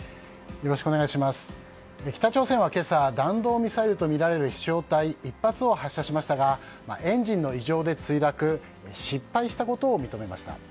北朝鮮は今朝弾道ミサイルとみられる飛翔体１発を発射しましたがエンジンの異常で墜落失敗したことを認めました。